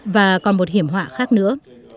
và còn một hiểm họa khác nữa